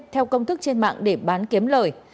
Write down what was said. theo công thức trên mạng để bán kiếm lời